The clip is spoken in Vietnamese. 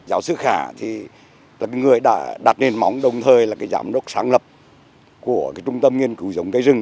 giáo sư khả là người đặt nền móng đồng thời là giám đốc sáng lập của trung tâm nghiên cứu giống cây rừng